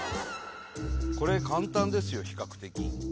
これ簡単ですよ比較的。